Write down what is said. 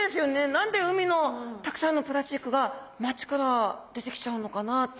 何で海のたくさんのプラスチックが街から出てきちゃうのかなって。